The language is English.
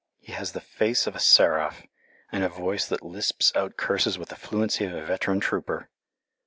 He has the face of a seraph, and a voice that lisps out curses with the fluency of a veteran trooper.